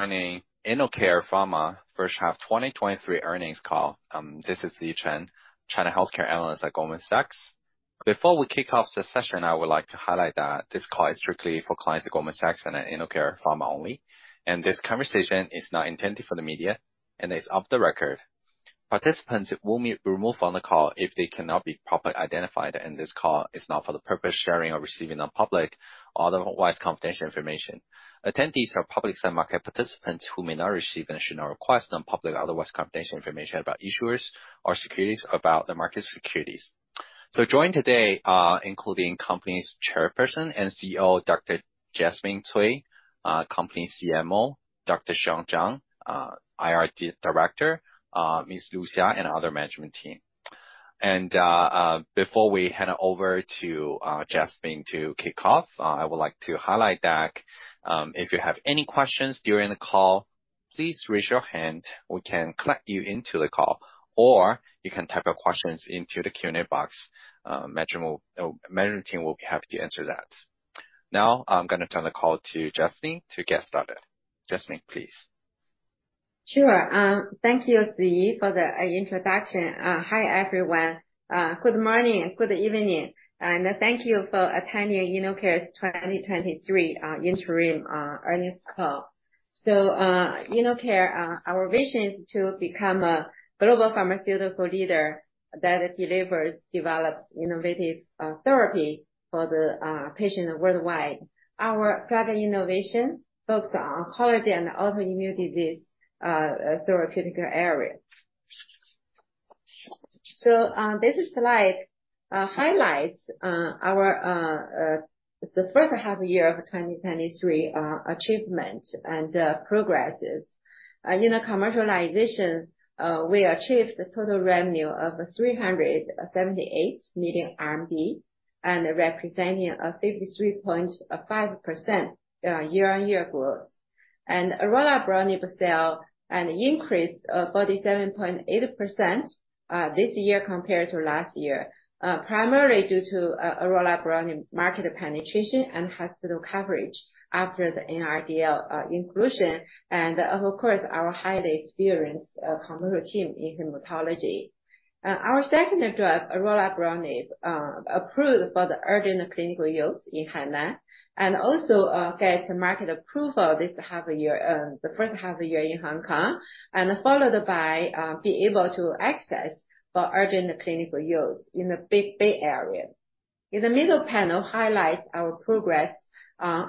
Morning, InnoCare Pharma first half 2023 earnings call. This is Ziyi Chen, China healthcare analyst at Goldman Sachs. Before we kick off this session, I would like to highlight that this call is strictly for clients of Goldman Sachs and InnoCare Pharma only, and this conversation is not intended for the media and is off the record. Participants will be removed from the call if they cannot be properly identified, and this call is not for the purpose of sharing or receiving non-public otherwise confidential information. Attendees are public and market participants who may not receive and should not request non-public otherwise confidential information about issuers or securities about the market securities. So joined today, including company's Chairperson and CEO, Dr. Jasmine Cui, company CMO, Dr. Sean Zhang, IR Director, Ms. Lu Xia, and other management team. And, before we hand it over to Jasmine to kick off, I would like to highlight that, if you have any questions during the call, please raise your hand, we can collect you into the call, or you can type your questions into the Q&A box. Management will, management team will be happy to answer that. Now, I'm gonna turn the call to Jasmine to get started. Jasmine, please. Sure. Thank you, Ziyi, for the introduction. Hi, everyone. Good morning, good evening, and thank you for attending InnoCare's 2023 interim earnings call. InnoCare, our vision is to become a global pharmaceutical leader that delivers developed innovative therapy for the patients worldwide. Our product innovation focus on oncology and autoimmune disease therapeutic area. This slide highlights our first half year of 2023 achievement and progresses. In the commercialization, we achieved a total revenue of 378 million RMB, representing a 53.5% year-on-year growth. And Orelabrutinib sales increased 47.8% this year compared to last year. Primarily due to orelabrutinib market penetration and hospital coverage after the NRDL inclusion and, of course, our highly experienced commercial team in hematology. Our second drug, orelabrutinib, approved for the urgent clinical use in Thailand and also get market approval this half year, the first half year in Hong Kong, and followed by be able to access for urgent clinical use in the Big Bay Area. In the middle panel highlights our progress of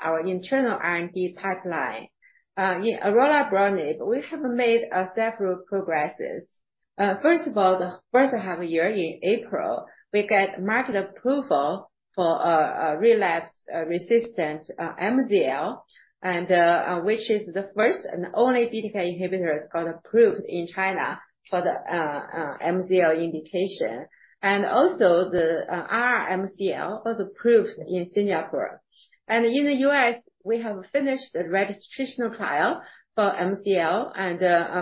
our internal R&D pipeline. In orelabrutinib, we have made several progresses. First of all, the first half year in April, we get market approval for relapsed refractory MCL, and which is the first and only BTK inhibitor got approved in China for the MCL indication. Also the r/r MCL was approved in Singapore. In the US, we have finished the registrational trial for MCL and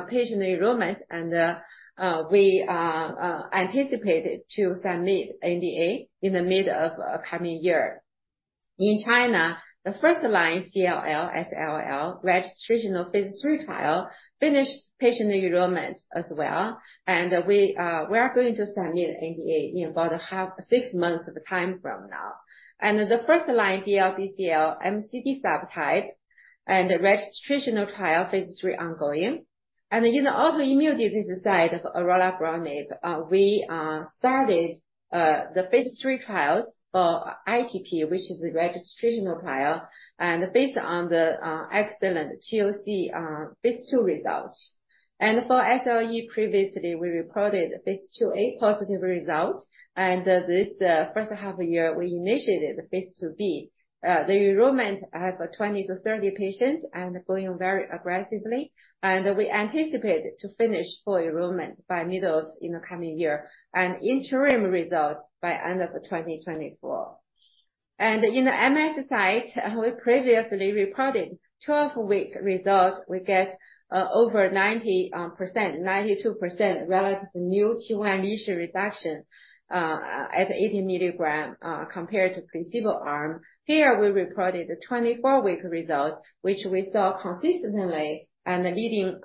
patient enrollment, and we are anticipated to submit NDA in the mid of coming year. In China, the first-line CLL, SLL registrational phase three trial finished patient enrollment as well, and we are going to submit NDA in about six months time from now. The first-line DLBCL, MCD subtype and the registrational trial phase three are ongoing. In the autoimmune disease side of orelabrutinib, we started the phase three trials for ITP, which is a registrational trial, and based on the excellent POC phase two results. For SLE, previously, we reported phase two A positive result, and this first half of the year, we initiated phase two B. The enrollment have 20-30 patients and going very aggressively, and we anticipate to finish full enrollment by middle in the coming year, and interim result by end of 2024. In the MS site, we previously reported 12-week results. We get, over 90%, 92% relative new T1 lesion reduction, at 80 mg, compared to placebo arm. Here, we reported a 24-week result, which we saw consistently and the leading,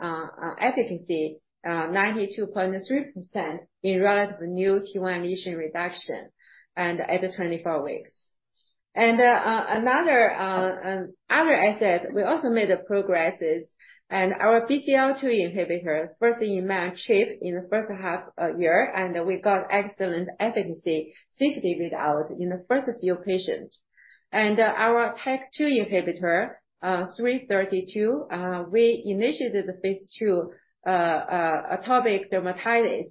efficacy, 92.3% in relative new T1 lesion reduction and at the 24 weeks. Another, other asset, we also made progresses and our BCL-2 inhibitor, first in man achieved in the first half of the year, and we got excellent efficacy, safety readout in the first few patients. Our TYK2 inhibitor, ICP-332, we initiated the phase 2 atopic dermatitis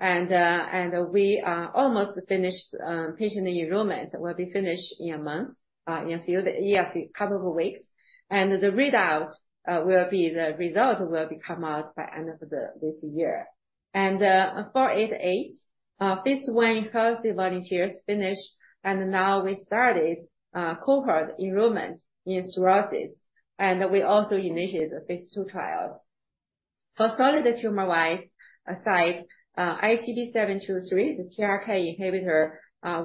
and we are almost finished. Patient enrollment will be finished in a couple of weeks. The readout, the result will come out by end of this year. ICP-488, phase 1 healthy volunteers finished, and now we started cohort enrollment in cirrhosis, and we also initiated the phase 2 trials. For solid tumor-wise, aside ICP-723, the TRK inhibitor,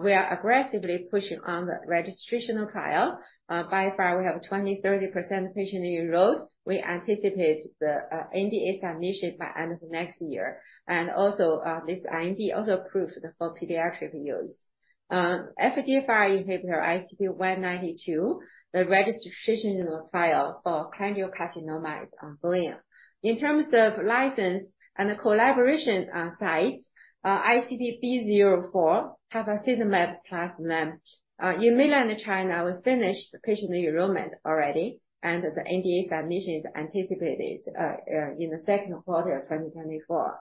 we are aggressively pushing on the registrational trial. By far, we have 20-30% patient enrolled. We anticipate the NDA submission by end of next year, and also this IND also approved for pediatric use. FGFR inhibitor ICP-192, the registration trial for cholangiocarcinoma is ongoing. In terms of license and collaboration sites, ICP-B04, tafasitamab plus lenalidomide. In Mainland China, we finished the patient enrollment already, and the NDA submission is anticipated in the second quarter of 2024.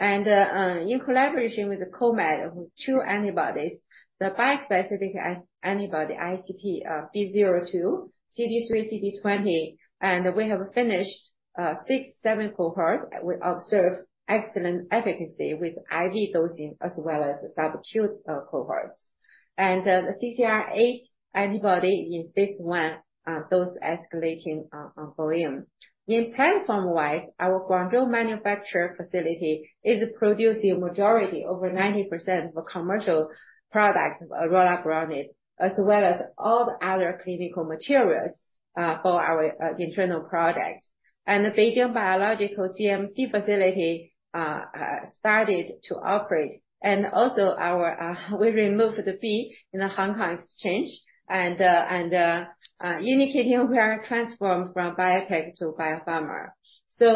In collaboration with Keymed with two antibodies, the bispecific antibody ICP-B02, CD3/CD20, and we have finished 6-7 cohorts. We observed excellent efficacy with IV dosing as well as subcutaneous cohorts. The CCR8 antibody in phase 1 dose escalating ongoing. Platform-wise, our Guangzhou manufacturing facility is producing majority, over 90% of commercial products, orelabrutinib, as well as all the other clinical materials for our internal product. The Beijing Biological CMC facility started to operate. And also, we removed the VIE in the Hong Kong Exchange and our entity were transformed from biotech to biopharma. So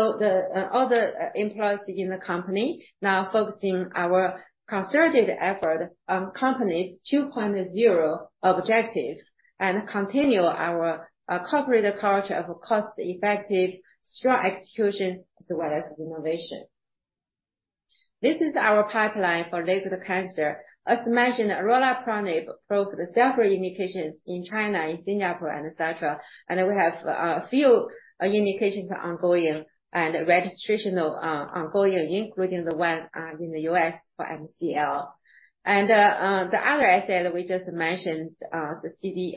all the employees in the company now focusing our concerted effort on company's 2.0 objectives, and continue our corporate culture of cost-effective, strong execution, as well as innovation. This is our pipeline for liquid cancer. As mentioned, orelabrutinib approved several indications in China, in Singapore, and et cetera. And we have a few indications ongoing and registrational ongoing, including the one in the U.S. for MCL. And the other asset that we just mentioned, the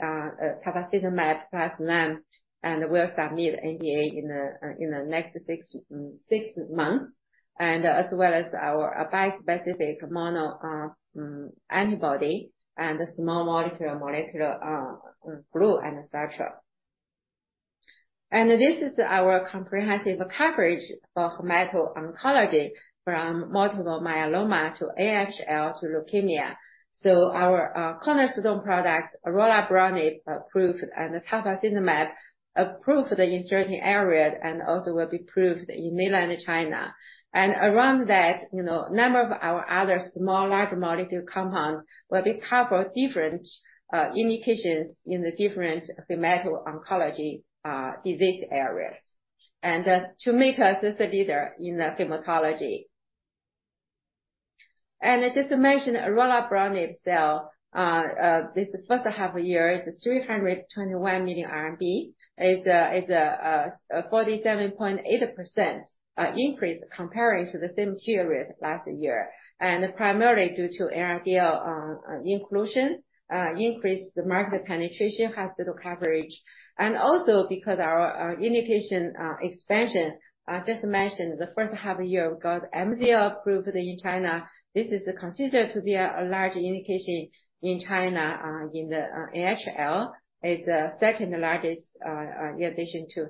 ICP-B04 tafasitamab plus lenalidomide, and we'll submit NDA in the next six months, and as well as our bispecific monoclonal antibody and the small molecule glue and such. This is our comprehensive coverage for hematology oncology, from multiple myeloma to AML to leukemia. So our cornerstone product, orelabrutinib, approved, and tafasitamab approved in certain areas and also will be approved in mainland China. And around that, you know, number of our other small, large molecule compounds will be cover different indications in the different hematology oncology disease areas. And to make us a leader in the hematology. And just to mention, orelabrutinib sale this first half year is 321 million RMB. It's a, it's a, a 47.8% increase comparing to the same period last year, and primarily due to NRDL inclusion, increased the market penetration, hospital coverage, and also because our indication expansion. I just mentioned the first half of the year, we got MCL approved in China. This is considered to be a large indication in China, in the NHL. It's the second largest, in addition to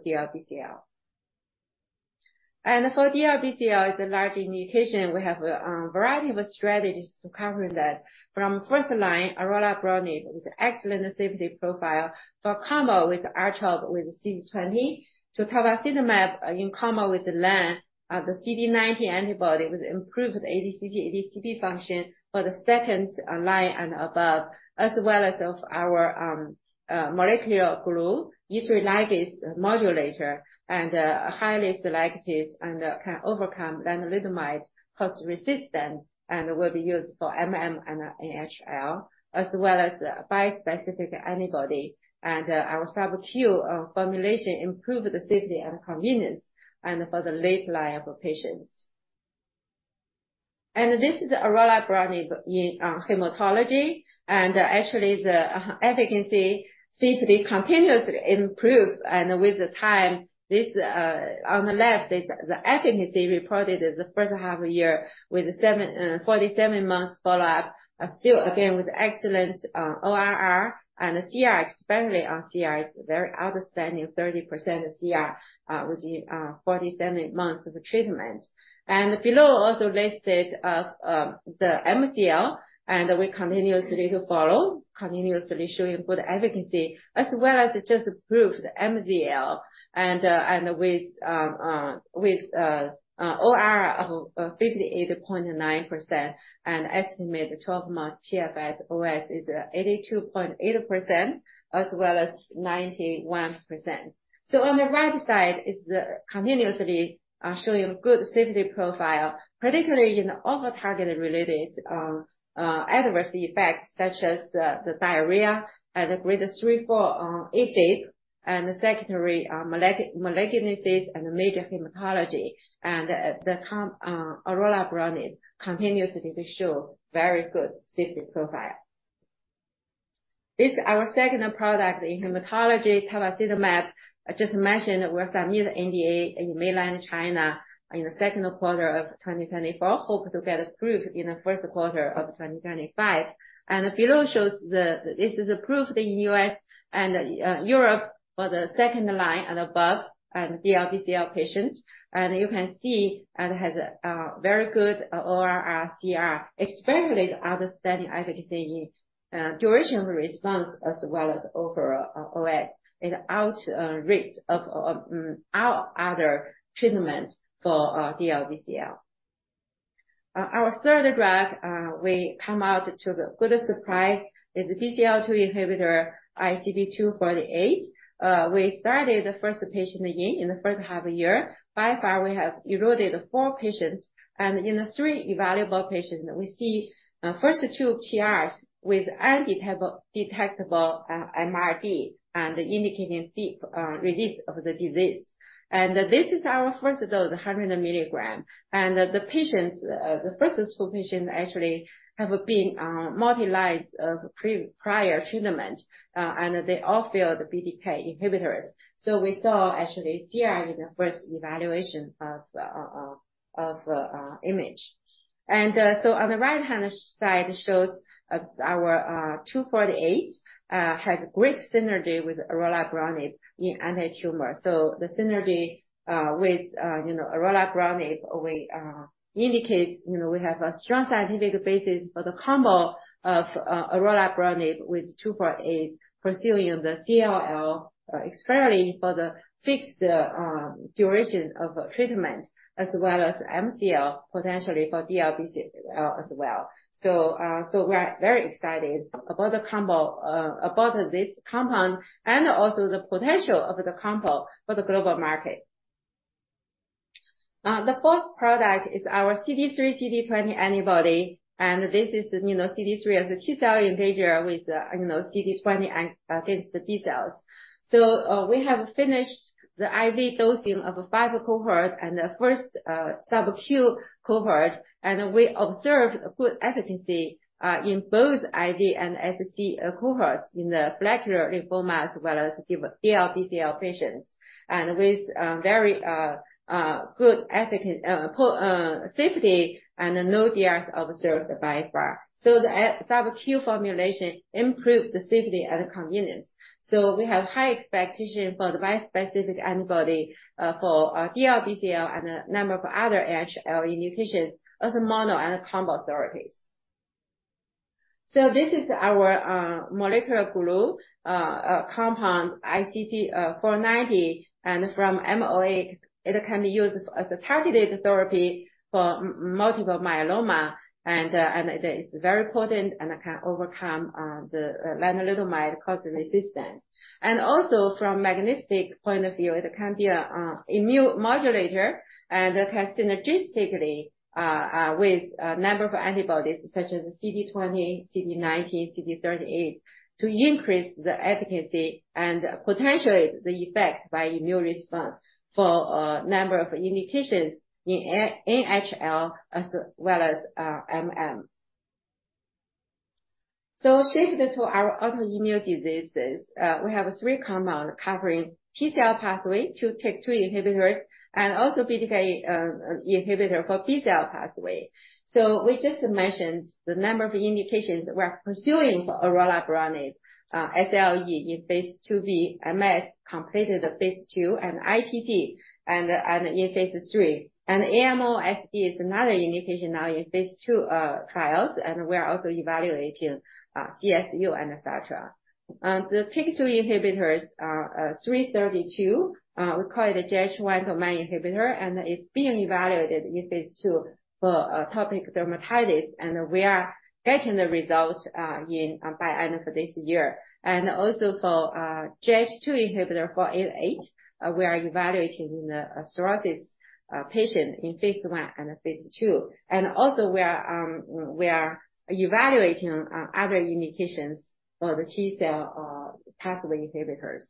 DLBCL. For DLBCL, it's a large indication. We have a variety of strategies to cover that. From first line, orelabrutinib, with excellent safety profile, for combo with R-CHOP, with CD20, to tafasitamab in combo with lenalidomide, the CD19 antibody, with improved ADCC, ADCP function for the second line and above, as well as our molecular glue, E3 ligase modulator, and highly selective and can overcome lenalidomide cause resistance, and will be used for MM and NHL, as well as bispecific antibody. And our subcutaneous formulation improve the safety and convenience and for the late line of patients. And this is orelabrutinib in hematology, and actually, the efficacy, safety continuously improves. And with time, this on the left is the efficacy reported in the first half of the year, with 47 months follow-up. Still again, with excellent ORR and CR, especially on CR, is very outstanding, 30% CR within 47 months of treatment. And below also listed of the MCL, and we continuously to follow, continuously showing good efficacy, as well as just approved MCL and with ORR of 58.9% and estimate the 12-month PFS/OS is 82.8%, as well as 91%. So on the right side is continuously showing good safety profile, particularly in the off-target related adverse effects, such as the diarrhea and the grade 3/4 AST, and secondary malignancies and major hematologic. And orelabrutinib continuously shows very good safety profile. This is our second product in hematology, tafasitamab. I just mentioned, we'll submit the NDA in mainland China in the second quarter of 2024, hope to get approved in the first quarter of 2025. And the below shows the, this is approved in U.S. and Europe for the second line and above, and DLBCL patients. And you can see it has a very good ORR CR, especially understanding efficacy, duration of response, as well as overall OS, is out rate of our other treatments for DLBCL. Our third drug, we come out to the good surprise, is the BCL-2 inhibitor, ICP-248. We started the first patient in the first half of the year. So far, we have enrolled four patients, and in the three evaluable patients, we see first two PRs with undetectable MRD, and indicating deep remission of the disease. And this is our first dose, 100 mg. And the patients, the first two patients actually have been multiple lines of prior treatment, and they all failed the BTK inhibitors. So we saw actually CR in the first evaluation of imaging. And so on the right-hand side shows our ICP-248 has great synergy with orelabrutinib in antitumor. So the synergy with you know orelabrutinib indicates you know we have a strong scientific basis for the combo of orelabrutinib with ICP-248, pursuing the CLL especially for the fixed duration of treatment, as well as MCL, potentially for DLBCL as well. So, we're very excited about the combo, about this compound and also the potential of the combo for the global market. The fourth product is our CD3/CD20 antibody, and this is, you know, CD3 as a T-cell invader with, you know, CD20 against the B-cells. So, we have finished the IV dosing of a phase 1 cohort and the first sub-Q cohort, and we observed good efficacy in both IV and SC cohorts in the follicular lymphoma, as well as DLBCL patients, and with very good efficacy and safety and no DLTs observed by far. So the sub-Q formulation improved the safety and convenience. So we have high expectation for the bispecific antibody, for DLBCL and a number of other HL indications as a mono and combo therapies. So this is our molecular glue compound, ICP-490, and from MOA, it can be used as a targeted therapy for multiple myeloma, and it is very potent and can overcome the lenalidomide causing resistance. And also, from mechanistic point of view, it can be an immune modulator, and it can synergistically with a number of antibodies such as CD20, CD19, CD38, to increase the efficacy and potentially the effect by immune response for a number of indications in NHL as well as MM. So shifting to our autoimmune diseases, we have three compound covering T-cell pathway, two JAK2 inhibitors, and also BTK inhibitor for B-cell pathway. So we just mentioned the number of indications we're pursuing for orelabrutinib, SLE in phase 2B, MS completed the phase 2, and ITP, and in phase 3. And NMOSD is another indication now in phase 2 trials, and we are also evaluating CSU and et cetera. And the TYK2 inhibitors, ICP-332, we call it the JH1 domain inhibitor, and it's being evaluated in phase 2 for atopic dermatitis, and we are getting the results by end of this year. And also for JH2 inhibitor for NASH, we are evaluating in the cirrhosis patient in phase 1 and phase 2. And also we are evaluating other indications for the T-cell pathway inhibitors.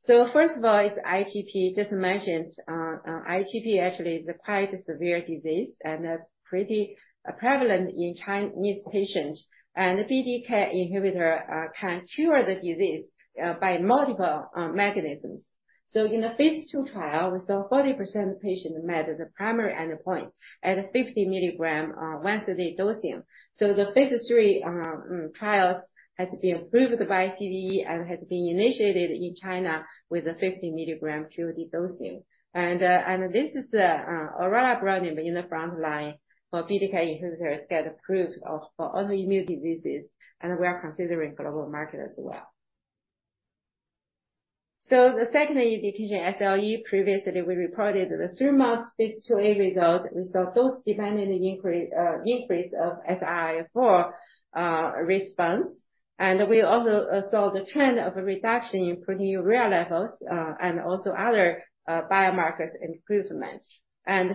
So first of all, it's ITP, just mentioned, ITP actually is a quite severe disease and pretty prevalent in Chinese patients. And the BTK inhibitor can cure the disease by multiple mechanisms. So in the phase 2 trial, we saw 40% of patients met the primary endpoint at a 50 mg once a day dosing. So the phase 3 trials has been approved by CDE and has been initiated in China with a 50 mg qod dosing. And this is orelabrutinib in the front line for BTK inhibitors get approved for autoimmune diseases, and we are considering global market as well. So the second indication, SLE, previously, we reported the 3-month phase 2A result. We saw dose-dependent increase of SRI-4 response. We also saw the trend of a reduction in proteinuria levels, and also other biomarkers improvements.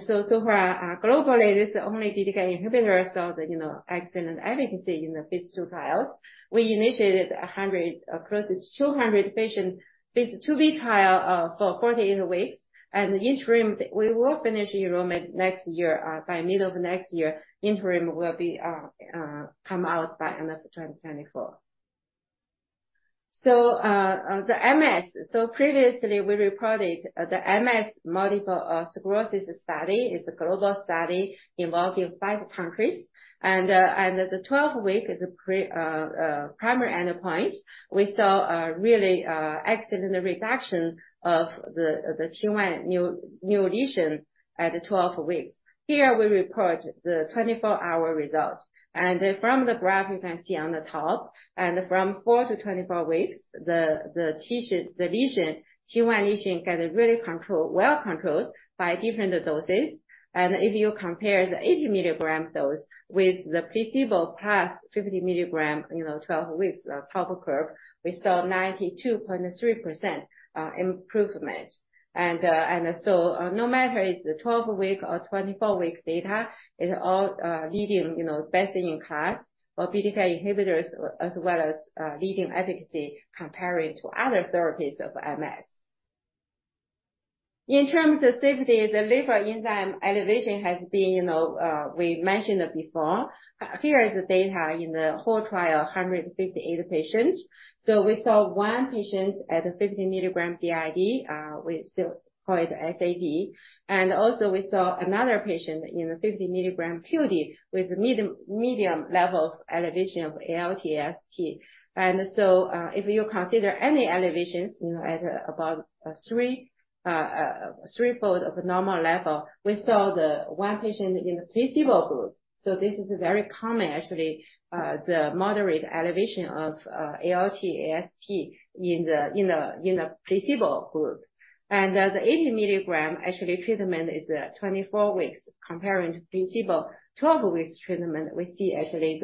So, so far, globally, this only BTK inhibitor saw the, you know, excellent efficacy in the phase 2 trials. We initiated 100, across 200 patients, phase 2B trial, for 48 weeks, and interim, we will finish enrollment next year, by middle of next year. Interim will be, come out by end of 2024. So, on the MS, so previously we reported, the MS, multiple sclerosis study, is a global study involving five countries. And the 12 week is a primary endpoint, we saw a really excellent reduction of the T1 new lesion at the 12 weeks. Here we report the 24-hour results, and from the graph you can see on the top, and from 4-24 weeks, the T cell, the lesion, T1 lesion get really controlled, well controlled by different doses. If you compare the 80 milligram dose with the placebo plus 50 milligram, you know, 12 weeks, power curve, we saw 92.3% improvement. And so no matter if the 12-week or 24-week data, is all leading, you know, best in class for BTK inhibitors, as well as leading efficacy comparing to other therapies of MS. In terms of safety, the liver enzyme elevation has been, you know, we mentioned it before. Here is the data in the whole trial, 158 patients. So we saw one patient at a 50 mg BID, we still call it SAE. And also we saw another patient in the 50 mg QD with medium level of elevation of ALT, AST. And so, if you consider any elevations, you know, at about threefold of the normal level, we saw one patient in the placebo group. So this is very common, actually, the moderate elevation of ALT, AST in the placebo group. And the 80 mg, actually, treatment is 24 weeks, comparing to placebo. 12 weeks treatment, we see actually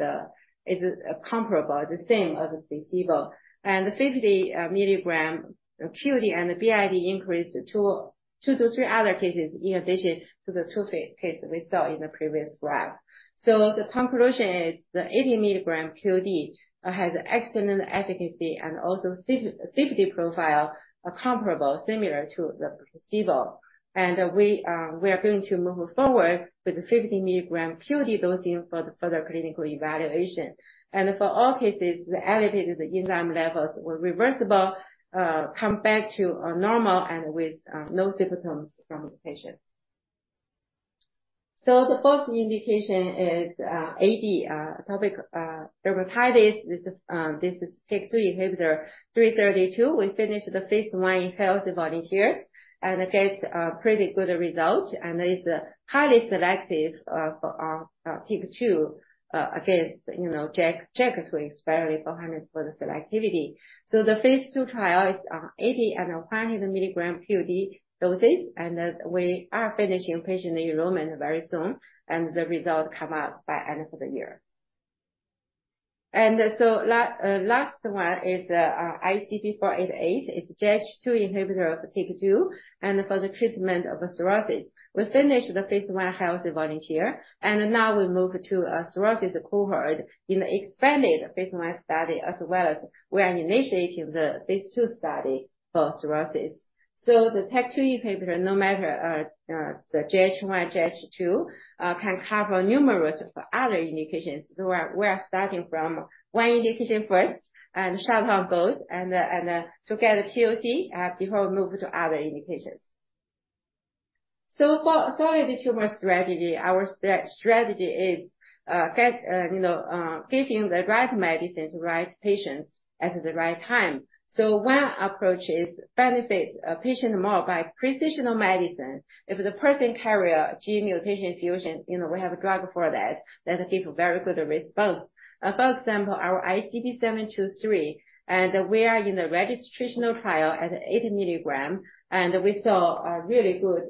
is comparable, the same as the placebo. And the 50 mg QD and the BID increased to 2-3 other cases, in addition to the two cases we saw in the previous graph. So the conclusion is, the 80 mg QD has excellent efficacy and also safety profile, comparable, similar to the placebo. And we are going to move forward with the 50 mg QD dosing for the further clinical evaluation. And for all cases, the elevated enzyme levels were reversible, come back to normal and with no symptoms from the patient. So the fourth indication is AD, atopic dermatitis. This is TYK2 inhibitor 332. We finished the phase 1 in healthy volunteers, and it gets pretty good results, and it's highly selective for TYK2 against, you know, JAK, JAK to experimentally 400 for the selectivity. So the phase 2 trial is 80 and 100 milligram QD doses, and we are finishing patient enrollment very soon, and the results come out by end of the year. And so last one is ICP-488, it's JAK2 inhibitor of TYK2, and for the treatment of cirrhosis. We finished the phase 1 healthy volunteer, and now we move to a cirrhosis cohort in the expanded phase 1 study, as well as we are initiating the phase 2 study for cirrhosis. So the TYK2 inhibitor, no matter the JAK1, JAK2, can cover numerous other indications. So we are starting from one indication first and set out goals and to get a POC before we move to other indications. So for solid tumor strategy, our strategy is, you know, giving the right medicine to right patients at the right time. So one approach is benefit a patient more by precision medicine. If the person carry a gene mutation fusion, you know, we have a drug for that, that give very good response. For example, our ICP-723, and we are in the registrational trial at 80 mg, and we saw a really good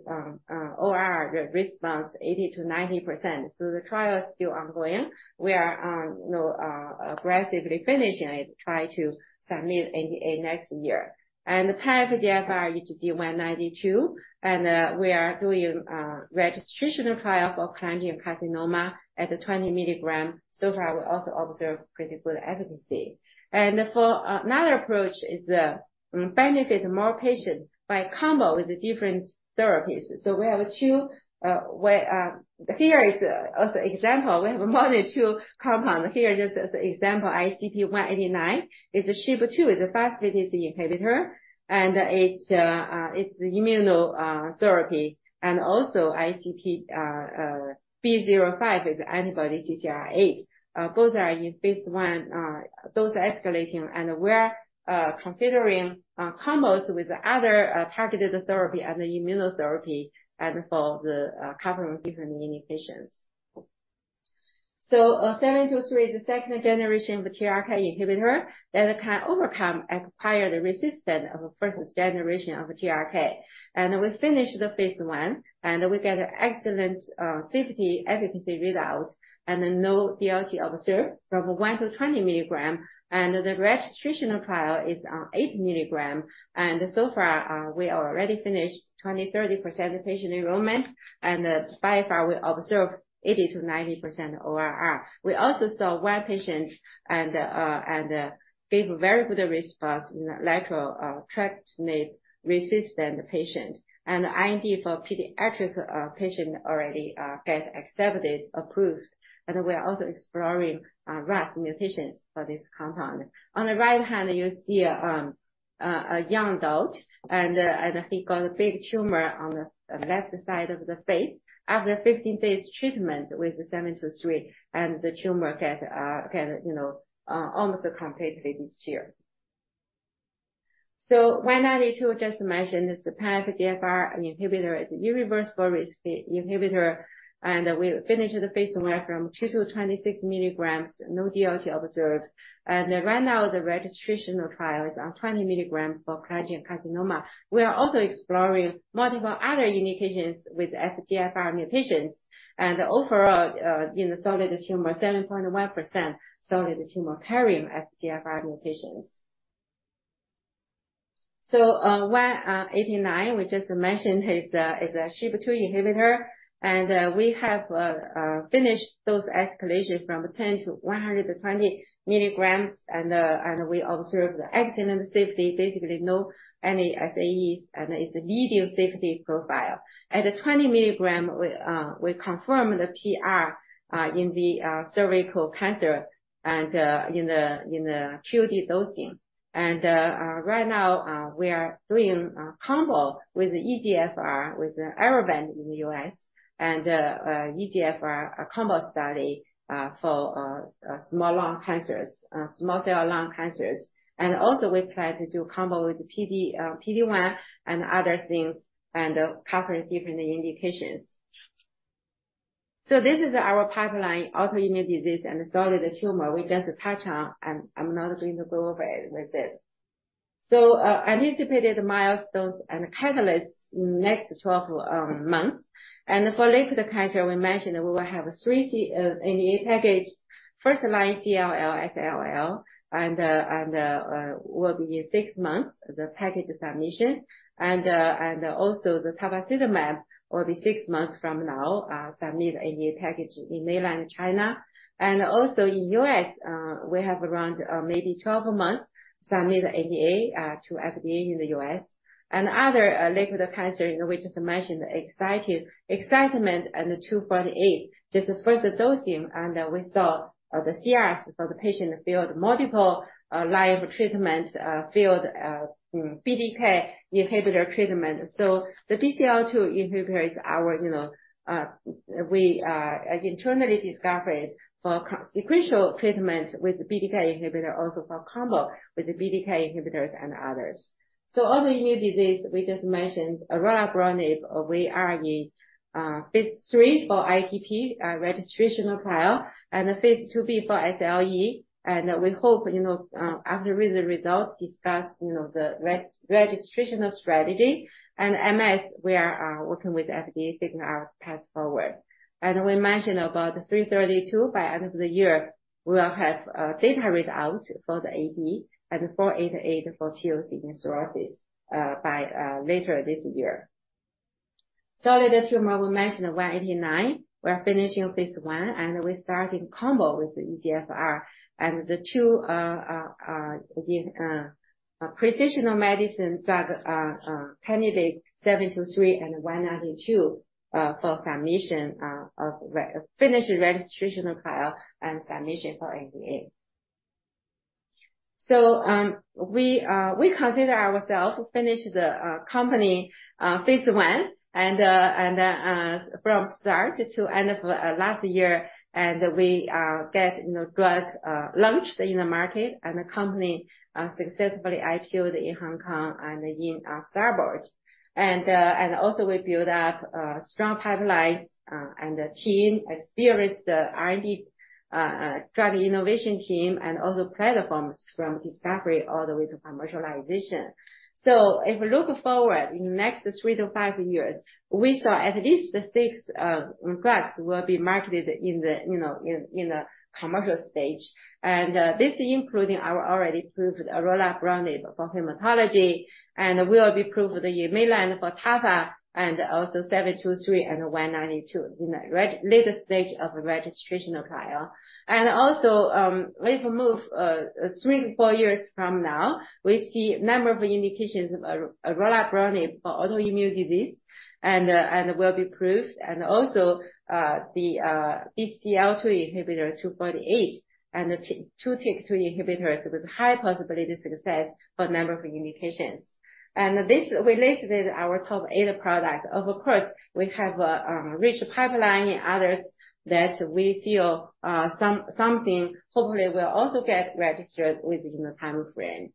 OR response, 80%-90%. So the trial is still ongoing. We are, you know, aggressively finishing it, try to submit NDA next year. And the ICP-192, and we are doing registrational trial for carcinoma at a 20 mg. So far, we also observe pretty good efficacy. Another approach is benefit more patients by combo with the different therapies. So we have two ways. Here, as an example, we have more than two compounds. Here, just as an example, ICP-189 is a SHIP2, is a first-in-class inhibitor, and it's the immunotherapy. And also ICP-B05 is anti-CCR8 antibody. Both are in phase 1 dose escalating, and we're considering combos with other targeted therapy and the immunotherapy, and for covering different indications. So, ICP-723, the second generation of the TRK inhibitor, that can overcome acquired resistance of a first generation of TRK. We finished the phase 1, and we get excellent safety, efficacy readout, and then no DLT observed from 1 to 20 milligrams, and the registrational trial is 80 milligrams. And so far, we are already finished 20-30% patient enrollment, and so far, we observe 80%-90% ORR. We also saw 1 patient and gave a very good response in the R/R treatment resistant patient. And IND for pediatric patient already get accepted, approved, and we are also exploring RAS mutations for this compound. On the right hand, you see a young adult, and he got a big tumor on the left side of the face. After 15 days treatment with the ICP-723, and the tumor get, you know, almost completely disappear. So ICP-192, just mentioned, is the FGFR inhibitor. It's an irreversible inhibitor, and we finished the phase 1 from 2-26 milligrams, no DLT observed. And right now, the registrational trial is on 20 milligrams for cholangiocarcinoma. We are also exploring multiple other indications with FGFR mutations, and overall, in the solid tumor, 7.1% solid tumor carrying FGFR mutations. So, ICP-189, we just mentioned, is a SHIP2 inhibitor, and we have finished those escalation from 10-120 milligrams, and we observed excellent safety, basically no any SAEs, and it's a medium safety profile. At the 20 milligram, we confirmed the PR in the cervical cancer and in the QOD dosing. Right now, we are doing a combo with EGFR, with the erlotinib in the US, and EGFR, a combo study, for small lung cancers, small cell lung cancers. And also, we plan to do combo with PD-1 and other things, and cover different indications. So this is our pipeline, autoimmune disease and solid tumor. We just touch on, and I'm not going to go over it with it. So, anticipated milestones and catalysts in next 12 months. And for liquid cancer, we mentioned that we will have three C NDA package, first line, CLL, SLL, and will be in 6 months, the package submission. And also the tafasitamab will be 6 months from now, submit NDA package in Mainland China. And also in US, we have around, maybe 12 months, submit NDA to FDA in the US. And other, liquid cancer, we just mentioned ICP-248, ICP-248 and 2.8, just the first dosing, and we saw, the CR for the patient failed multiple, line of treatment, failed, BTK inhibitor treatment. So the BCL-2 inhibitor is our, you know, we, internally discovered for sequential treatment with BTK inhibitor, also for combo with the BTK inhibitors and others. So autoimmune disease, we just mentioned orelabrutinib, we are in, phase 3 for ITP, registrational trial, and phase 2b for SLE. And we hope, you know, after with the result, discuss, you know, the registrational strategy. And MS, we are, working with FDA, seeking our path forward. We mentioned about ICP-332, by end of the year, we'll have data read out for the AD, and ICP-488 for cirrhosis by later this year. Solid tumor, we mentioned ICP-189. We're finishing phase 1, and we're starting combo with the EGFR and the two precision medicine drug candidate, ICP-723 and ICP-192, for submission of re-- finish registrational trial and submission for NDA. So, we consider ourselves finish the company phase 1, and from start to end of last year, and we get, you know, drug launched in the market, and the company successfully IPOed in Hong Kong and in STAR Market. And also we build up a strong pipeline, and a team, experienced the R&D drug innovation team, and also platforms from discovery all the way to commercialization. So if we look forward in the next 3-5 years, we saw at least the 6 drugs will be marketed in the, you know, in a commercial stage. And this including our already approved orelabrutinib for hematology, and will be approved in mainland for tafasitamab, and also 723 and 192, in the relatively later stage of registrational trial. And also, if we move 3-4 years from now, we see number of indications of orelabrutinib for autoimmune disease, and will be approved. And also, the BCL-2 inhibitor, 248, and the two TYK2 inhibitors with high possibility success for number of indications. And this, we listed our top eight products. Of course, we have a rich pipeline and others that we feel something hopefully will also get registered within the time frame.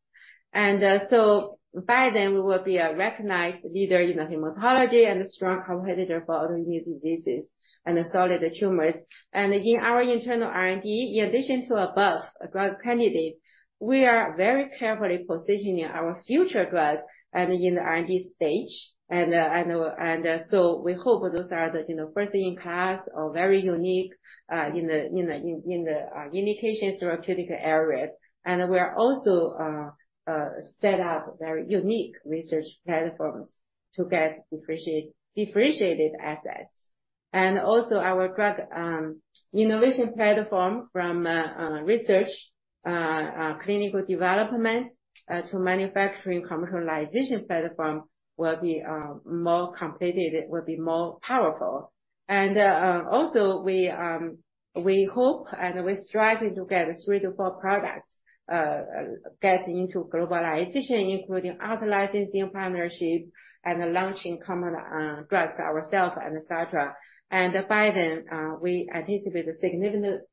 And so by then, we will be a recognized leader in the hematology and a strong competitor for autoimmune diseases and the solid tumors. And in our internal R&D, in addition to above drug candidates, we are very carefully positioning our future drug and in the R&D stage. And so we hope those are the, you know, first in class or very unique in the indications therapeutic areas. And we are also set up very unique research platforms to get differentiated assets. And also our drug innovation platform from research clinical development to manufacturing commercialization platform will be more completed, it will be more powerful. And also we hope and we're striving to get 3-4 products get into globalization, including out licensing, partnership, and launching common drugs ourselves and et cetera. And by then we anticipate a significant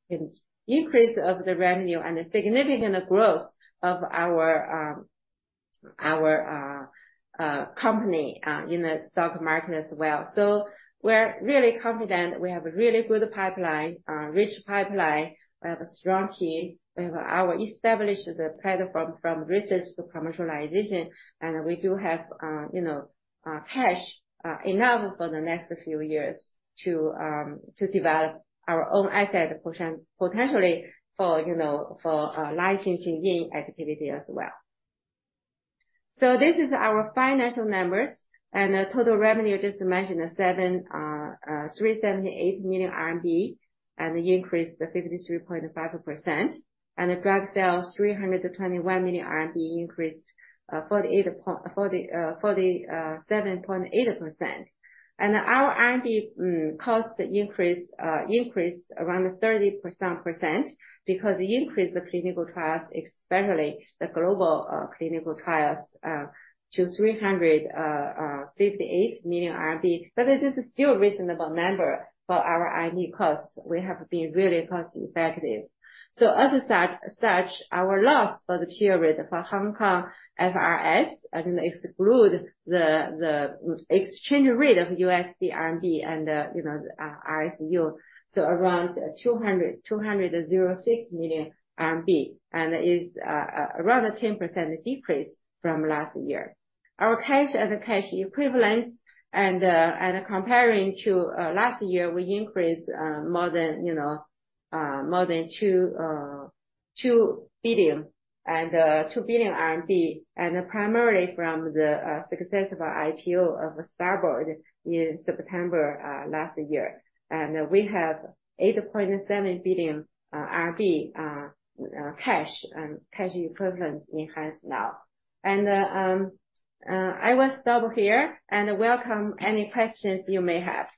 increase of the revenue and a significant growth of our Our company in the stock market as well. So we're really confident. We have a really good pipeline, rich pipeline, we have a strong team, we have our established platform from research to commercialization, and we do have, you know, cash enough for the next few years to develop our own assets, potentially for, you know, for licensing activity as well. So this is our financial numbers, and the total revenue, just to mention, is 378 million RMB, and increased 53.5%. And the drug sales, 321 million RMB, increased 47.8%. And our R&D cost increased around 30% because the increase of clinical trials, especially the global clinical trials, to 358 million RMB. But this is still a reasonable number for our R&D costs. We have been really cost effective. So as such, our loss for the period for Hong Kong FRS, and exclude the exchange rate of USD, RMB, and, you know, RSU, so around 206 million RMB, and is around a 10% decrease from last year. Our cash and cash equivalents, and comparing to last year, we increased more than CNY 2 billion, and primarily from the success of our IPO of STAR Market in September last year. And we have 8.7 billion cash and cash equivalent enhanced now. I will stop here and welcome any questions you may have.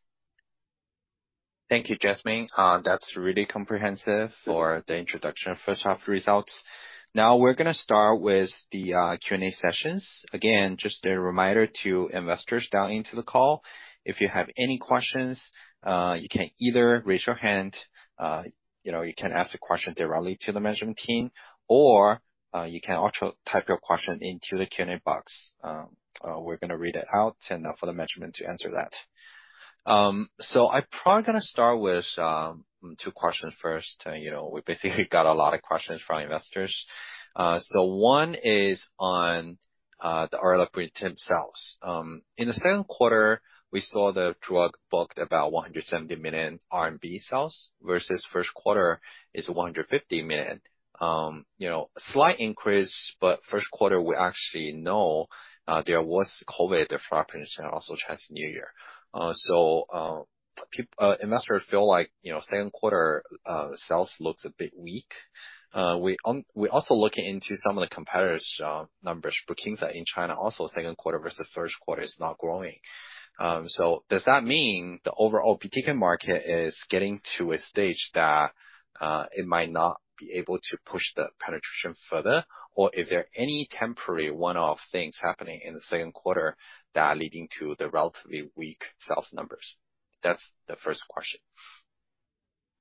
Thank you, Jasmine. That's really comprehensive for the introduction of first half results. Now, we're going to start with the Q&A sessions. Again, just a reminder to investors dialing into the call, if you have any questions, you can either raise your hand, you know, you can ask a question directly to the management team, or, you can also type your question into the Q&A box. We're going to read it out and for the management to answer that. So I'm probably going to start with two questions first. You know, we basically got a lot of questions from investors. So one is on the orelabrutinib sales. In the second quarter, we saw the drug booked about 170 million RMB sales, versus first quarter is 150 million. You know, slight increase, but first quarter, we actually know, there was COVID, the factory also Chinese New Year. So, investors feel like, you know, second quarter, sales looks a bit weak. We're also looking into some of the competitors, numbers. Brukinsa, in China, also, second quarter versus first quarter is not growing. So does that mean the overall BTK market is getting to a stage that, it might not be able to push the penetration further? Or is there any temporary one-off things happening in the second quarter that are leading to the relatively weak sales numbers? That's the first question.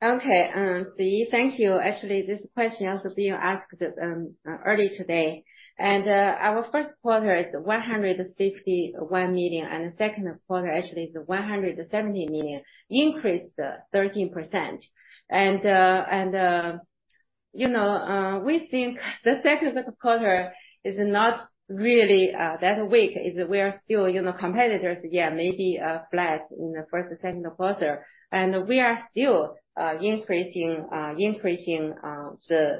Okay, Ziyi, thank you. Actually, this question also being asked early today, and our first quarter is 161 million, and the second quarter actually is 170 million, increased 13%. And, you know, we think the second quarter is not really that weak, is we are still, you know, competitors. Yeah, maybe flat in the first and second quarter, and we are still increasing the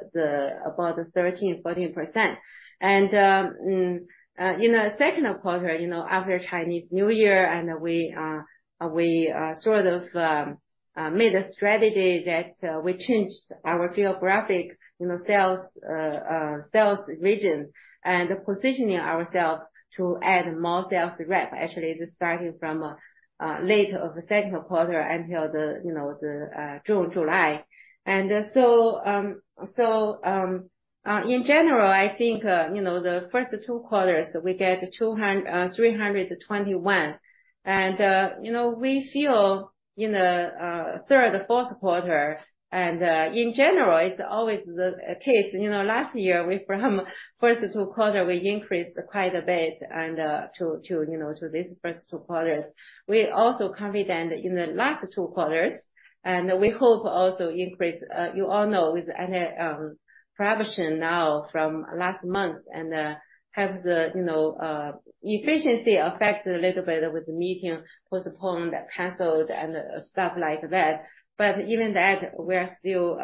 about 13%-14%. And, in the second quarter, you know, after Chinese New Year and we sort of made a strategy that we changed our geographic, you know, sales sales region and positioning ourselves to add more sales rep. Actually, it's starting from late of the second quarter until the, you know, the June, July. And so, in general, I think, you know, the first two quarters, we get 200, 321. And, you know, we feel in the third, fourth quarter, and in general, it's always the case. You know, last year we, from first two quarter, we increased quite a bit and to, you know, to this first two quarters. We're also confident in the last two quarters, and we hope also increase. You all know with any prohibition now from last month and have the, you know, efficiency affected a little bit with the meeting postponed, canceled and stuff like that. But even that, we are still,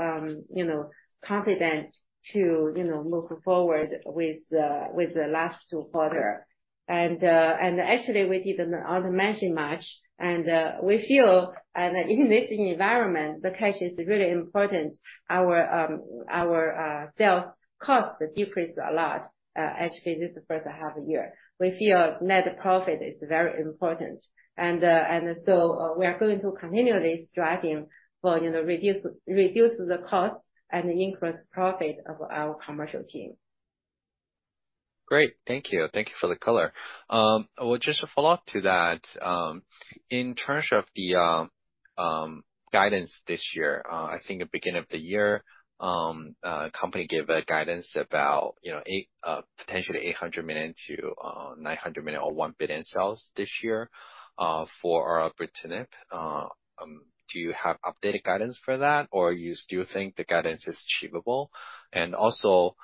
you know, confident to, you know, move forward with the, with the last 2 quarters. And actually, we didn't automate much, and we feel, and in this environment, the cash is really important. Our sales cost decreased a lot, actually, this first half a year. We feel net profit is very important, and so we are going to continue striving for, you know, reduce, reduce the cost and increase profit of our commercial team. Great. Thank you. Thank you for the color. Well, just a follow-up to that, in terms of the guidance this year. I think at beginning of the year, company gave a guidance about, you know, potentially 800 million-900 million or 1 billion in sales this year, for orelabrutinib. Do you have updated guidance for that, or you still think the guidance is achievable? And also,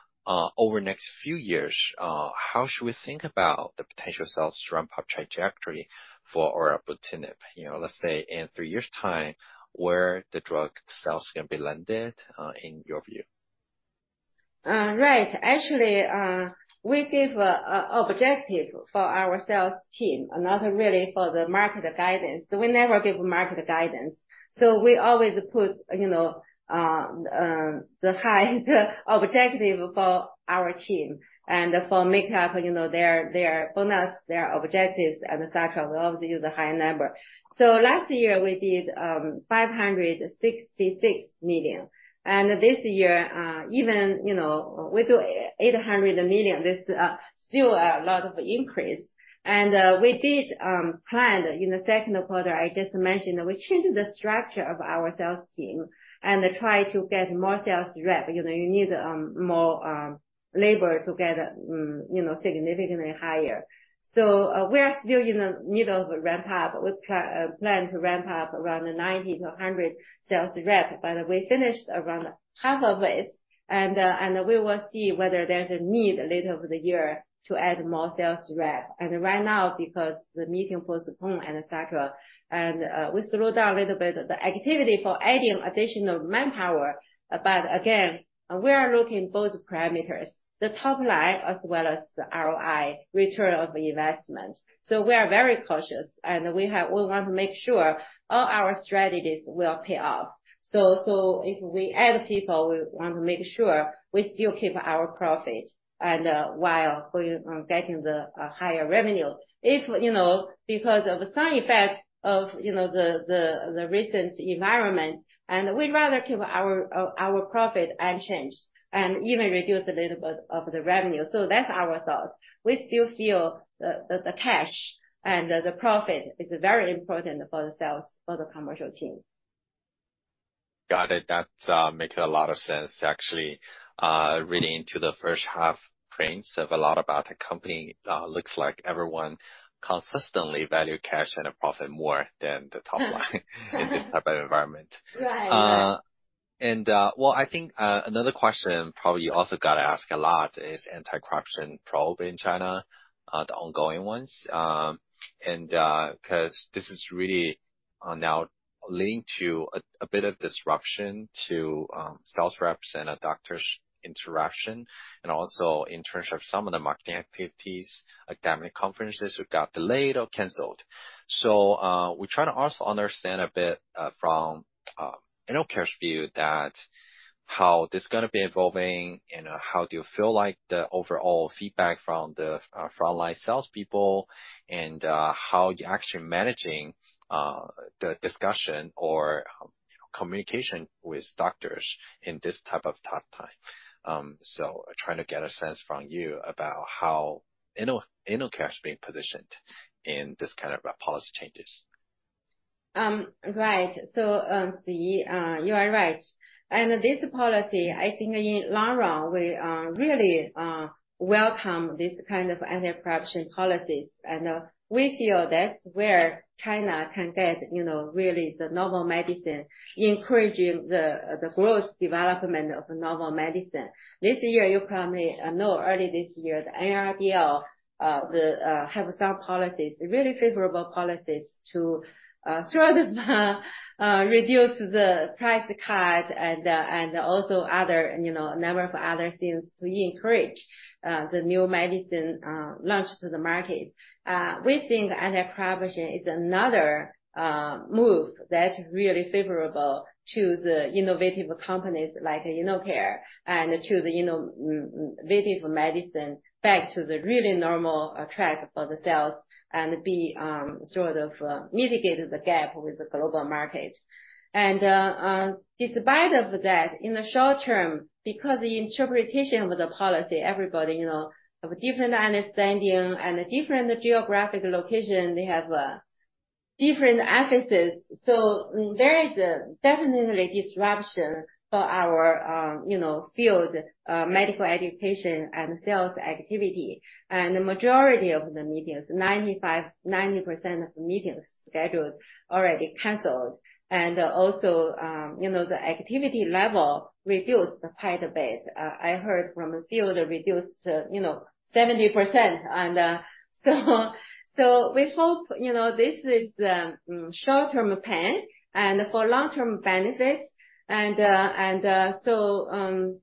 over the next few years, how should we think about the potential sales ramp-up trajectory for orelabrutinib? You know, let's say, in three years' time, where the drug sales can be landed, in your view? Right. Actually, we give a, a objective for our sales team, another really for the market guidance. So we never give market guidance. So we always put, you know, the high objective for our team and for make up, you know, their, their bonus, their objectives and such, and obviously the high number. So last year, we did 566 million, and this year, even, you know, we do 800 million. This still a lot of increase. And we did plan in the second quarter, I just mentioned, that we changed the structure of our sales team and try to get more sales rep. You know, you need more labor to get, you know, significantly higher. So we are still in the middle of a ramp up. We plan to ramp up around 90-100 sales rep, but we finished around half of it, and we will see whether there's a need later over the year to add more sales rep. Right now, because the meeting was postponed and et cetera, and we slowed down a little bit the activity for adding additional manpower. Again, we are looking both parameters, the top line as well as the ROI, return of investment. We are very cautious, and we have, we want to make sure all our strategies will pay off. So if we add people, we want to make sure we still keep our profit and while we are getting the higher revenue. If, you know, because of some effect of, you know, the recent environment, and we'd rather keep our profit unchanged and even reduce a little bit of the revenue. So that's our thoughts. We still feel the cash and the profit is very important for the sales, for the commercial team. Got it. That makes a lot of sense, actually, reading into the first half prints of a lot about the company, looks like everyone consistently value cash and a profit more than the top line in this type of environment. Right. Well, I think another question probably you also got asked a lot is anti-corruption probe in China, the ongoing ones. And 'cause this is really now leading to a bit of disruption to sales reps and a doctor's interaction, and also in terms of some of the marketing activities, like, many conferences who got delayed or canceled. So, we're trying to also understand a bit from InnoCare's view that how this is gonna be evolving, and how do you feel like the overall feedback from the front-line salespeople, and how you're actually managing the discussion or communication with doctors in this type of tough time. So trying to get a sense from you about how InnoCare is being positioned in this kind of policy changes. Right. So, Ziyi, you are right. And this policy, I think in long run, we really welcome this kind of anti-corruption policies, and we feel that's where China can get, you know, really the novel medicine, encouraging the growth development of novel medicine. This year, you probably know, early this year, the NRDL have some policies, really favorable policies to sort of reduce the price cut and also other, you know, a number of other things to encourage the new medicine launch to the market. We think anti-corruption is another move that's really favorable to the innovative companies like InnoCare and to the innovative medicine, back to the really normal track for the sales and be sort of mitigate the gap with the global market. Despite of that, in the short term, because the interpretation of the policy, everybody, you know, have a different understanding and a different geographic location, they have different emphasis. So there is a definitely disruption for our, you know, field medical education and sales activity. And the majority of the meetings, 90% of the meetings scheduled already canceled. And also, you know, the activity level reduced quite a bit. I heard from the field reduced to, you know, 70%. And so we hope, you know, this is the short-term pain and for long-term benefits. And so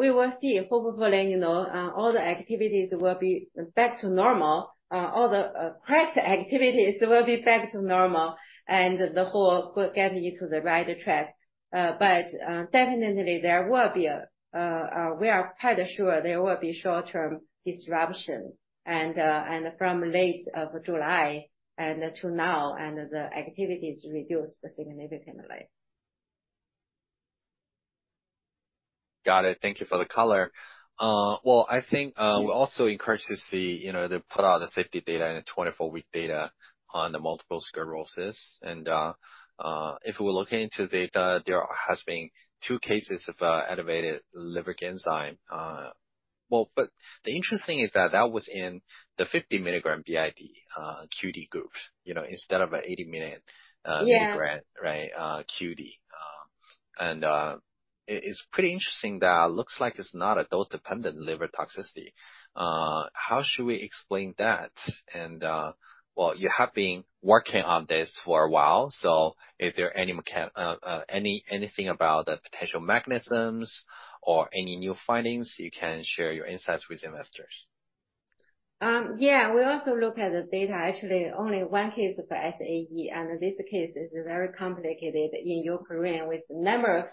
we will see. Hopefully, you know, all the activities will be back to normal, all the correct activities will be back to normal and the whole getting into the right track. But definitely, we are quite sure there will be short-term disruption. And from late July to now, the activity is reduced significantly. ... Got it. Thank you for the color. Well, I think we're also encouraged to see, you know, they put out the safety data and the 24-week data on the multiple sclerosis. And if we're looking into data, there has been two cases of elevated liver enzyme. Well, but the interesting is that that was in the 50 milligram BID, QD group, you know, instead of a 80 milligram... Yeah. Right, QD. It's pretty interesting that looks like it's not a dose-dependent liver toxicity. How should we explain that? Well, you have been working on this for a while, so if there are anything about the potential mechanisms or any new findings, you can share your insights with investors. Yeah, we also look at the data. Actually, only one case of SAE, and this case is very complicated in Ukraine, with a number of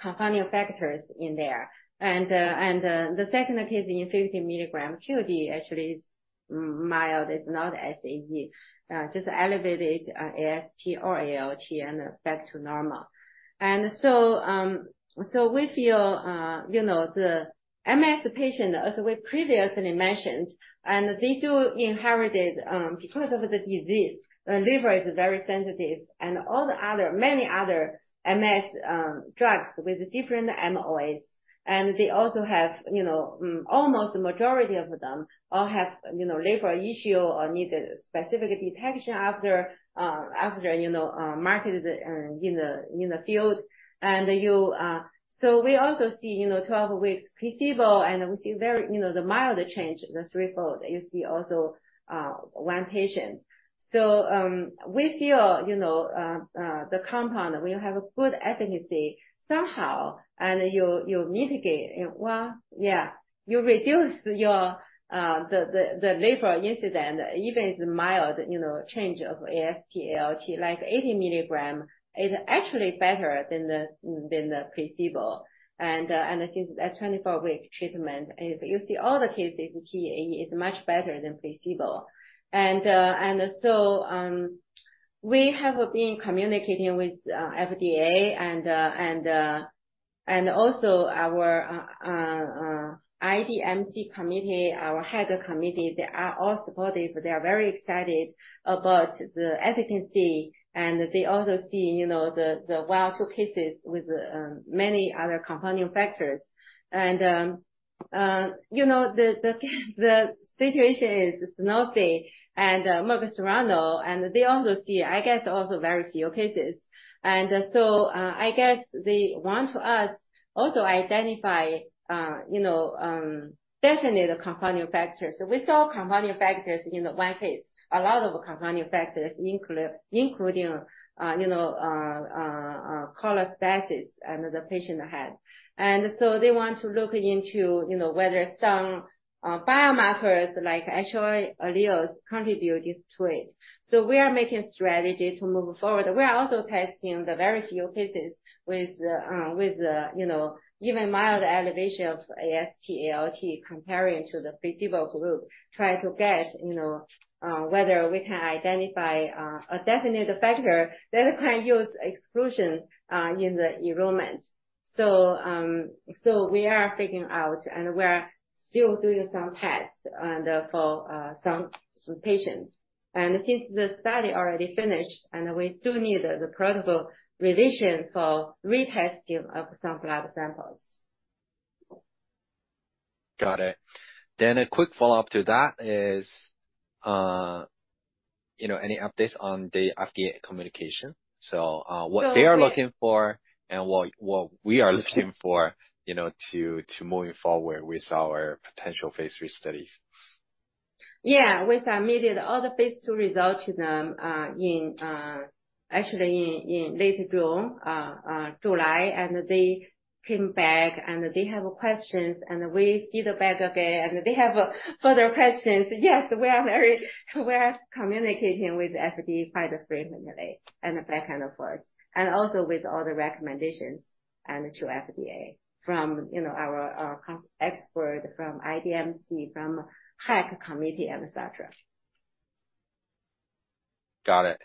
confounding factors in there. And the second case in 50 milligram QD actually is mild, it's not SAE. Just elevated AST or ALT and back to normal. And so, so we feel, you know, the MS patient, as we previously mentioned, and these two inherited, because of the disease, the liver is very sensitive, and all the other, many other MS drugs with different MOAs, and they also have, you know, almost majority of them all have, you know, liver issue or need specific detection after, after, you know, market, in the, in the field. And you... So we also see, you know, 12 weeks placebo, and we see very, you know, the mild change, the threefold, you see also, 1 patient. So, we feel, you know, the compound, we have a good efficacy somehow, and you, you mitigate. Well, yeah, you reduce your, the, the, the liver incident, even it's mild, you know, change of AST, ALT, like 80 mg is actually better than the, than the placebo. And, and since a 24-week treatment, and you see all the cases here is much better than placebo. And, and so, we have been communicating with, FDA and, and, and also our, IDMC committee, our HAC committee, they are all supportive. They are very excited about the efficacy, and they also see, you know, the, well, two cases with many other confounding factors. And, you know, the situation is Sanofi and Merck Serono, and they also see, I guess, also very few cases. And so, I guess they want us also identify, you know, definitely the confounding factors. We saw confounding factors in the one case, a lot of confounding factors, including, you know, cholestasis, and the patient had. And so they want to look into, you know, whether some biomarkers like actual alleles contributed to it. So we are making strategy to move forward. We are also testing the very few cases with you know even mild elevation of AST, ALT, comparing to the placebo group, try to get you know whether we can identify a definitive factor that we can use exclusion in the enrollment. So so we are figuring out, and we're still doing some tests and for some patients. And since the study already finished, and we do need the protocol revision for retesting of some blood samples. Got it. Then a quick follow-up to that is, you know, any updates on the FDA communication? So, So- What they are looking for and what, what we are looking for, you know, to, to moving forward with our potential phase 3 studies. Yeah. We submitted all the phase 2 results to them, actually in late June, July. They came back, and they have questions, and we give it back again, and they have further questions. Yes, we are communicating with FDA quite frequently and back and forth, and also with all the recommendations to FDA from, you know, our expert, from IDMC, from HAG committee, and et cetera. Got it.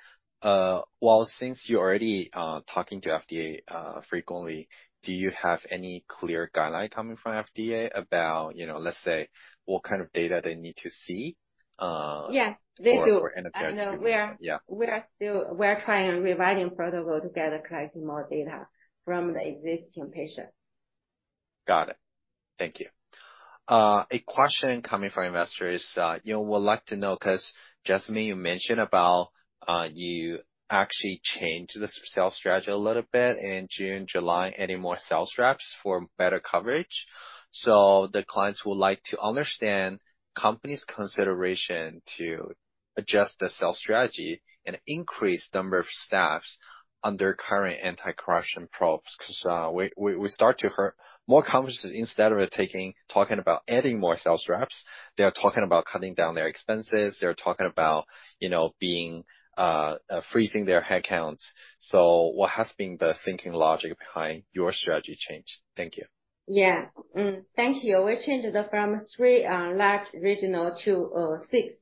Well, since you're already talking to FDA frequently, do you have any clear guideline coming from FDA about, you know, let's say, what kind of data they need to see? Yes, they do. For FDA, yeah. We are still trying rewriting protocol to gather, collecting more data from the existing patient. Got it. Thank you. A question coming from investors, you know, would like to know, 'cause Jasmine, you mentioned about, you actually changed the sales strategy a little bit in June, July, adding more sales reps for better coverage. So the clients would like to understand company's consideration to adjust the sales strategy and increase number of staffs under current anti-corruption probes. 'Cause we start to hear more companies, instead of taking, talking about adding more sales reps, they are talking about cutting down their expenses. They're talking about, you know, being freezing their headcounts. So what has been the thinking logic behind your strategy change? Thank you.... Yeah. Thank you. We changed from 3 large regions to 6.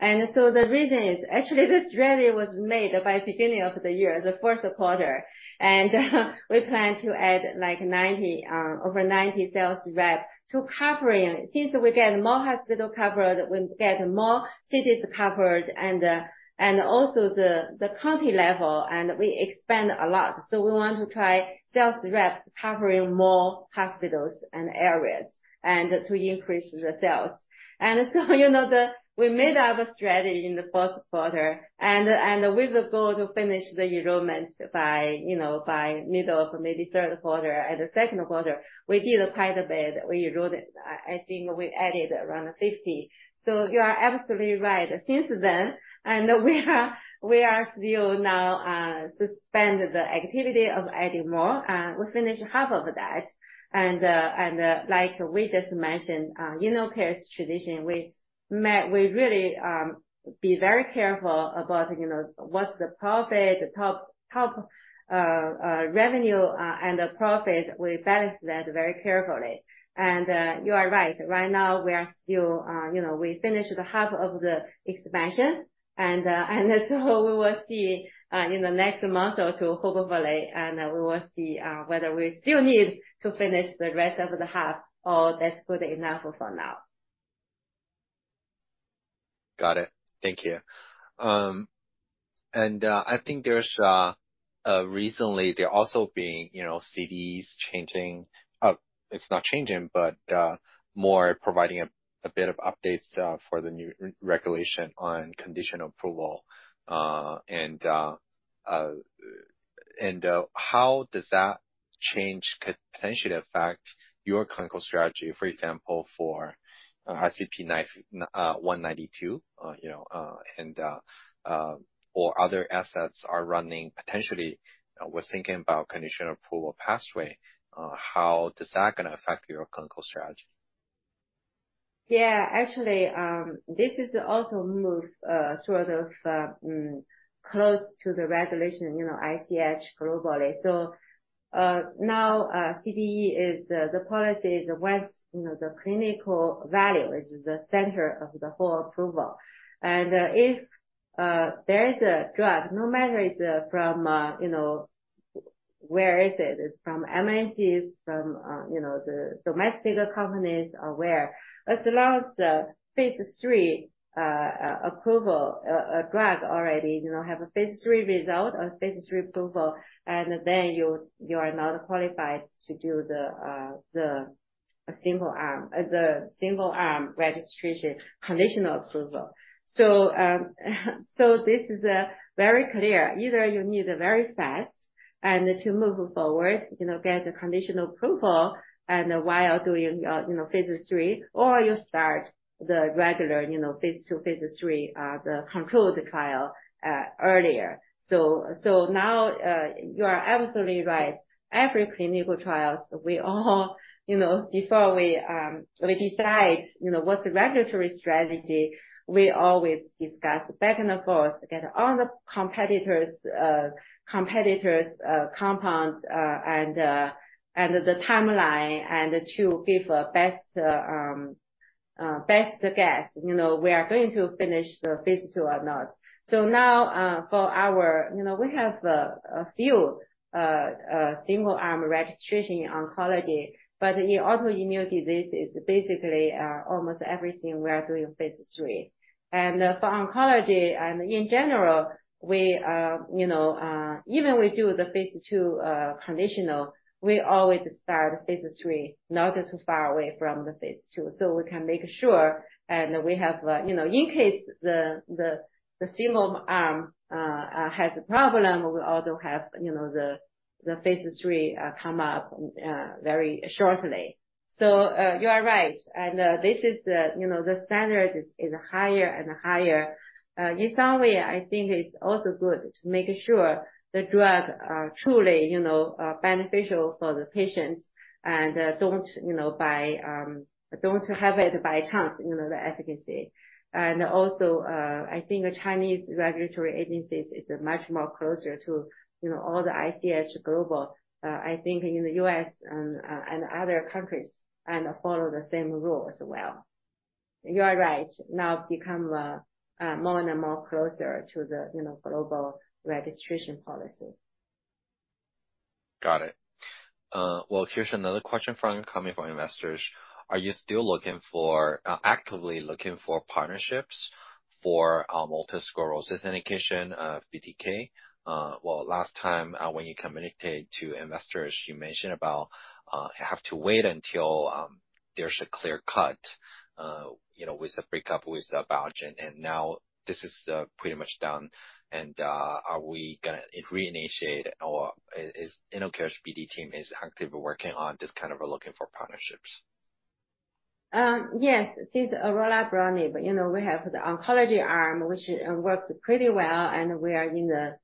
And so the reason is, actually, this strategy was made at the beginning of the year, the first quarter. And we plan to add, like, 90, over 90 sales reps to covering. Since we get more hospitals covered, we get more cities covered and also the county level, and we expand a lot. So we want to try sales reps covering more hospitals and areas, and to increase the sales. And so, you know, we made our strategy in the first quarter and with the goal to finish the enrollment by, you know, by middle of maybe third quarter and the second quarter, we did quite a bit. We enrolled, I think we added around 50. So you are absolutely right. Since then, we are still now suspend the activity of adding more, we finished half of that. And, like we just mentioned, you know, InnoCare's tradition, we really be very careful about, you know, what's the profit, the top top revenue, and the profit. We balance that very carefully. And, you are right. Right now, we are still, you know, we finished the half of the expansion, and so we will see in the next month or two, hopefully, and we will see whether we still need to finish the rest of the half or that's good enough for now. Got it. Thank you. And I think there's recently also been, you know, CDEs changing. It's not changing, but more providing a bit of updates for the new regulation on conditional approval. And how does that change could potentially affect your clinical strategy, for example, for ICP-192, you know, and or other assets are running potentially, we're thinking about conditional approval pathway, how does that gonna affect your clinical strategy? Yeah. Actually, this is also moves sort of close to the regulation, you know, ICH globally. So, now, CDE, the policy is once, you know, the clinical value is the center of the whole approval. And, if there is a drug, no matter it's from, you know, where is it? It's from MNCs, from, you know, the domestic companies or where. As long as the phase three approval, a drug already, you know, have a phase three result or phase three approval, and then you, you are not qualified to do the single arm, the single-arm registration conditional approval. So, so this is very clear. Either you need a very fast and to move forward, you know, get the conditional approval and while doing, you know, phase 3, or you start the regular, you know, phase 2, phase 3, the controlled trial, earlier. So now, you are absolutely right. Every clinical trials, we all, you know, before we, we decide, you know, what's the regulatory strategy, we always discuss back and forth, get all the competitors, competitors, compounds, and, and the timeline, and to give a best, best guess, you know, we are going to finish the phase 2 or not. So now, for our... You know, we have, a few, single-arm registration in oncology, but in autoimmune disease is basically, almost everything we are doing phase 3. And for oncology and in general, we, you know, even we do the phase two conditional, we always start phase three, not too far away from the phase two, so we can make sure and we have, you know, in case the, the, the single arm has a problem, we also have, you know, the, the phase three come up very shortly. So, you are right, and this is, you know, the standard is higher and higher. In some way, I think it's also good to make sure the drugs are truly, you know, beneficial for the patients and don't, you know, by, don't have it by chance, you know, the efficacy. Also, I think the Chinese regulatory agencies is much more closer to, you know, all the ICH Global, I think in the U.S. and, and other countries, and follow the same rules as well. You are right, now become, more and more closer to the, you know, global registration policy. Got it. Well, here's another question from investors. Are you still looking for, actively looking for partnerships for, multiple sclerosis indication, BTK? Well, last time, when you communicate to investors, you mentioned about, have to wait until, there's a clear cut, you know, with the breakup with, Biogen, and now this is, pretty much done. Are we gonna reinitiate or is InnoCare's BD team is actively working on this kind of looking for partnerships? Yes, this orelabrutinib, but, you know, we have the oncology arm, which works pretty well, and we are in the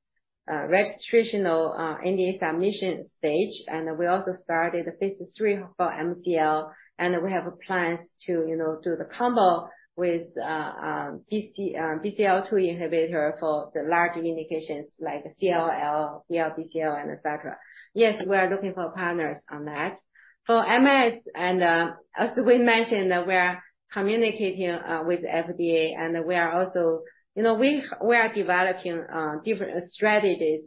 registrational NDA submission stage, and we also started the phase 3 for MCL, and we have plans to, you know, do the combo with BCL-2 inhibitor for the larger indications like CLL, SLL, DLBCL, and et cetera. Yes, we are looking for partners on that. For MS and, as we mentioned, we are communicating with FDA, and we are also, you know, we are developing different strategies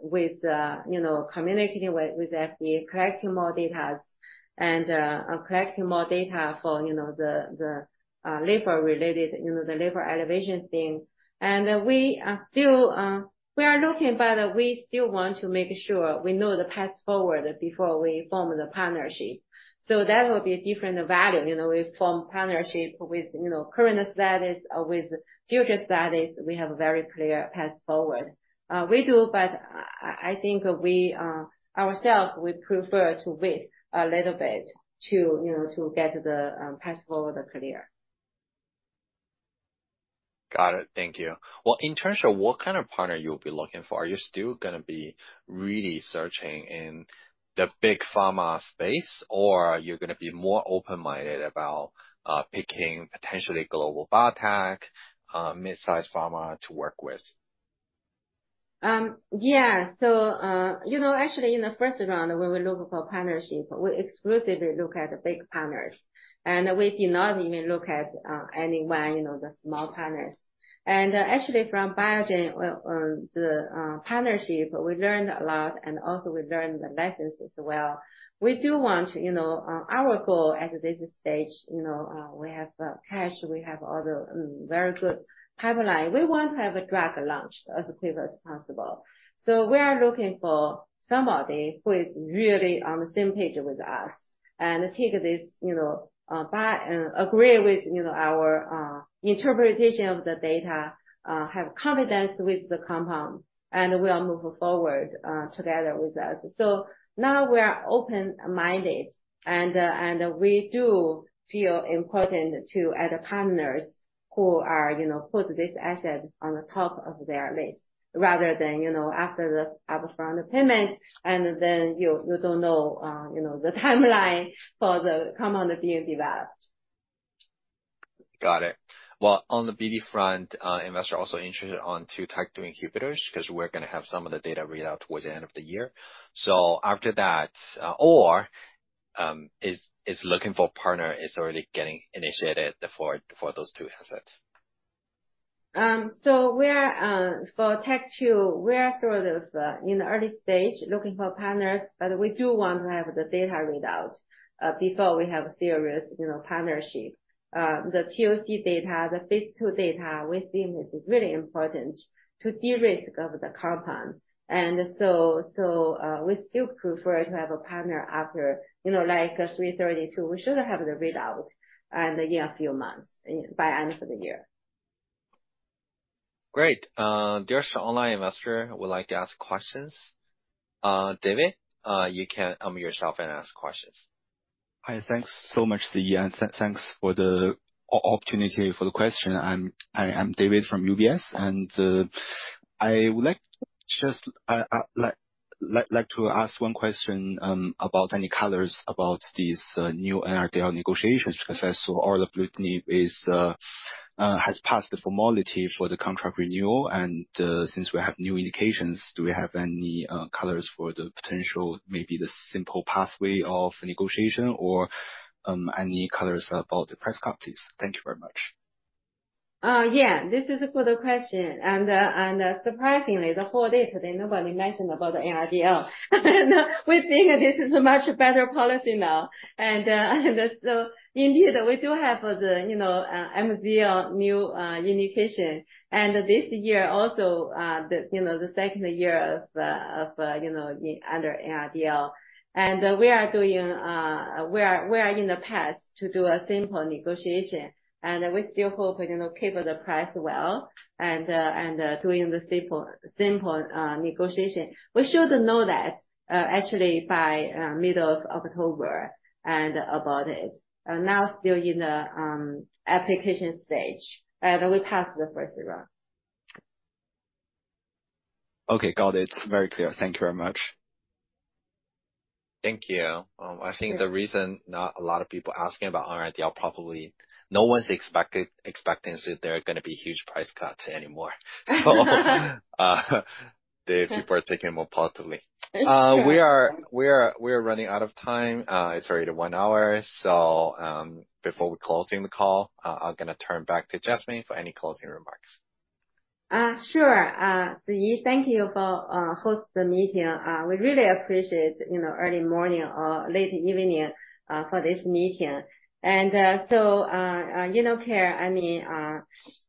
with, you know, communicating with FDA, collecting more data and collecting more data for, you know, the liver related, you know, the liver elevation thing. We are still looking, but we still want to make sure we know the path forward before we form the partnership. So that will be a different value. You know, we form partnerships with, you know, current studies or with future studies. We have a very clear path forward. We do, but I think we ourselves prefer to wait a little bit to, you know, to get the path forward clear. Got it. Thank you. Well, in terms of what kind of partner you'll be looking for, are you still gonna be really searching in the big pharma space, or are you gonna be more open-minded about picking potentially global biotech, mid-sized pharma to work with? Yeah. So, you know, actually in the first round, when we look for partnership, we exclusively look at the big partners, and we did not even look at, you know, anyone, the small partners. And actually, from Biogen, the partnership, we learned a lot, and also we learned the lessons as well. We do want, you know, our goal at this stage, you know, we have cash, we have other very good pipeline. We want to have a drug launch as quickly as possible. So we are looking for somebody who is really on the same page with us and take this, you know, back and agree with, you know, our interpretation of the data, have confidence with the compound, and will move forward, together with us. So now we are open-minded, and, and we do feel important to other partners who are, you know, put this asset on the top of their list, rather than, you know, after the upfront payment and then you, you don't know, you know, the timeline for the compound to being developed. Got it. Well, on the BD front, investors are also interested in two TYK2 inhibitors, 'cause we're gonna have some of the data read out towards the end of the year. So after that, looking for partner is already getting initiated for those two assets. So we are for TYK2, we are sort of in the early stage, looking for partners, but we do want to have the data read out before we have serious, you know, partnership. The POC data, the phase II data, we think is really important to de-risk the compound. And so, we still prefer to have a partner after, you know, like, ICP-332. We should have the readout in a few months, by end of the year. Great. There's an online investor would like to ask questions. David, you can unmute yourself and ask questions. Hi. Thanks so much, Ziyi, and thanks for the opportunity for the question. I'm David from UBS, and I would like just, like to ask one question about any colors about this new NRDL negotiations process. So all the Minjuvi has passed the formality for the contract renewal, and since we have new indications, do we have any colors for the potential, maybe the simple pathway of negotiation or any colors about the price copies? Thank you very much. Yeah, this is for the question, and surprisingly, the whole day today, nobody mentioned about the NRDL. We think this is a much better policy now. So indeed, we do have the, you know, Minjuvi new indication. This year also, the, you know, the second year of, you know, under NRDL. We are doing, we are, we are in the path to do a simple negotiation, and we still hope, you know, keep the price well and, and doing the simple, simple negotiation. We should know that, actually by middle of October and about it. Now still in the application stage, we passed the first round. Okay, got it. Very clear. Thank you very much. Thank you. I think the reason not a lot of people asking about NRDL, probably no one's expecting that there are gonna be huge price cuts anymore. So, the people are taking it more positively. Yes. We are running out of time. It's already one hour. So, before we closing the call, I'm gonna turn back to Jasmine for any closing remarks. Sure. Ziyi, thank you for host the meeting. We really appreciate, you know, early morning or late evening for this meeting. So, you know, InnoCare, I mean,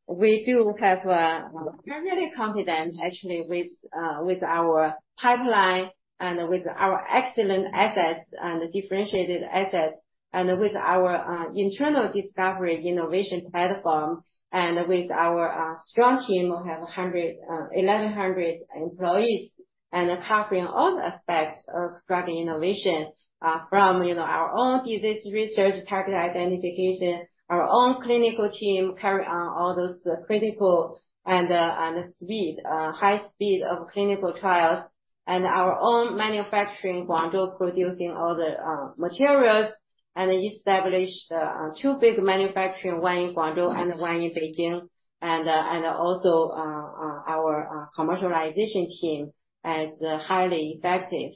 we do have, we're really confident actually with our pipeline and with our excellent assets and differentiated assets, and with our internal discovery innovation platform, and with our strong team, we have 1,100 employees, and covering all aspects of drug innovation from, you know, our own disease research, target identification, our own clinical team carry on all those critical and speed high speed of clinical trials, and our own manufacturing, Guangzhou, producing all the materials, and established two big manufacturing, one in Guangzhou and one in Beijing. Our commercialization team is highly effective.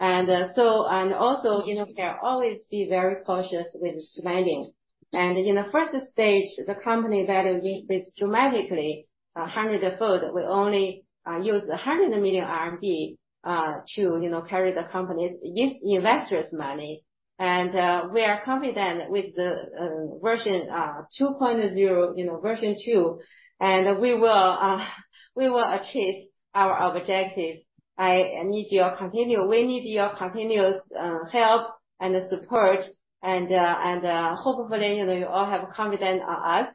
So, and also, you know, InnoCare always be very cautious with spending. In the first stage, the company value increased dramatically, 100-fold. We only use 100 million RMB to, you know, carry the company's use-- investors' money. We are confident with the version 2.0, you know, version two, and we will achieve our objective. I need your continued-- We need your continuous help and support, and hopefully, you know, you all have confidence on us.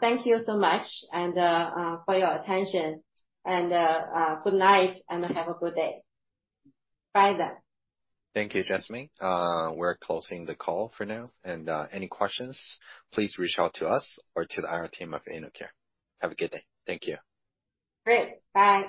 Thank you so much for your attention, good night, and have a good day. Bye then. Thank you, Jasmine. We're closing the call for now, and any questions, please reach out to us or to the IR team of InnoCare. Have a good day. Thank you. Great. Bye.